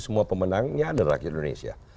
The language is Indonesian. semua pemenangnya ada rakyat indonesia